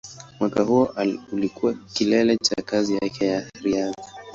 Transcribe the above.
Mwaka huo ulikuwa kilele cha kazi yake ya riadha.